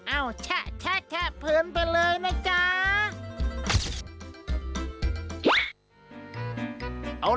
เอ้าแชะผืนไปเลยนะจ๊ะ